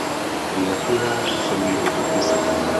Na knihách jsou jeho podpisy.